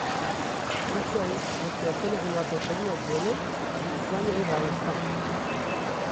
Rûsyayê rêkevtina hinardekirina genim ji Ukraynayê rawestand.